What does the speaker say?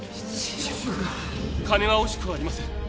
金は惜しくありません。